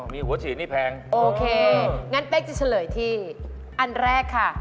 มีหัวฉีดนี่แพงโอเคงั้นเป๊กจะเฉลยที่อันแรกค่ะ